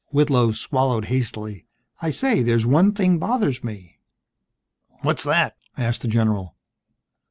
Whitlow swallowed hastily. "I say, there's one thing bothers me." "What's that?" asked the general.